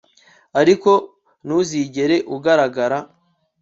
ariko ntuzigera ugaragara